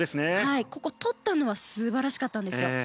ここ、取ったのは素晴らしかったんですよ。